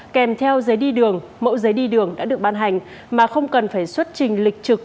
kèm theo giấy đi đường mẫu giấy đi đường đã được ban hành mà không cần phải xuất trình lịch trực